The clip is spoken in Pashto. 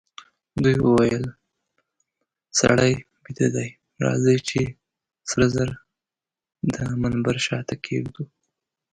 دوی وویل: سړی بیده دئ، راځئ چي سره زر د منبر شاته کښېږدو.